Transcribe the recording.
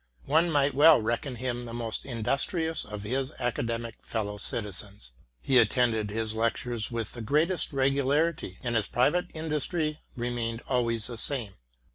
One might well reckon him the most industrious of his academical fellow citizens. He attended his lectures with the greatest regu larity, and his private industry remained always the same.